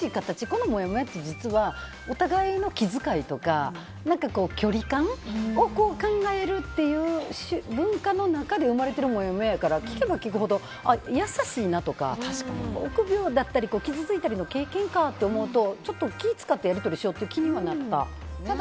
このもやもやって実はお互いの気遣いとか距離感を考えるという文化の中で生まれてるもやもややから聞けば聞くほど優しいなとか臆病だったり傷ついたりも経験かと思うとちょっと気を使ってやり取りしようっていう気にはなった。